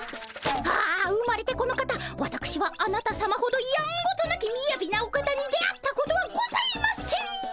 ああ生まれてこの方わたくしはあなたさまほどやんごとなきみやびなお方に出会ったことはございません！